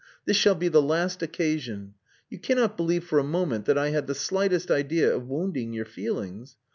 "This shall be the last occasion. You cannot believe for a moment that I had the slightest idea of wounding your feelings.